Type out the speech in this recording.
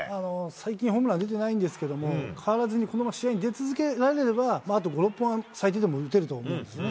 最近ホームラン出てないんですけども、変わらずにこのまま試合に出続けられれば、あと５、６本は最低でも打てると思うんですね。